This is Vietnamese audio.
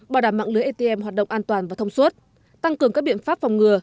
bảo đảm mạng lưới atm hoạt động an toàn và thông suốt tăng cường các biện pháp phòng ngừa